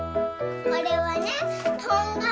これはね